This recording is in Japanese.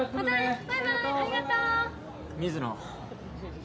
水野。